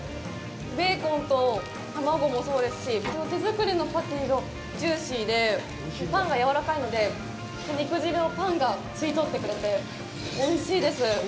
ベーコンと、卵もそうですし、手作りのパティがジューシーでパンがやわらかいので肉汁をパンが吸いとってくれておいしいです。